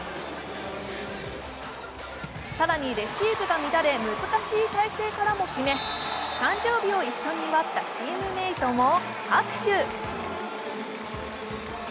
更に、レシーブが乱れ、難しい体勢からも決め誕生日を一緒に祝ったチームメイトも拍手。